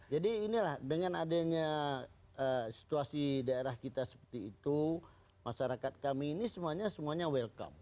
jadi inilah dengan adanya situasi daerah kita seperti itu masyarakat kami ini semuanya semuanya welcome